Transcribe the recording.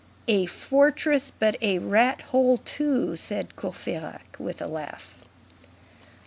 —"A fortress but a rat hole too," said Courfeyrac with a laugh.